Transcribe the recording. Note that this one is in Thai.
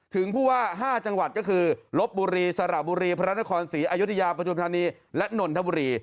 ผู้ว่า๕จังหวัดก็คือลบบุรีสระบุรีพระนครศรีอยุธยาประทุมธานีและนนทบุรี